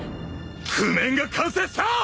譜面が完成した！